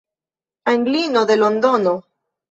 Anglino el Londono!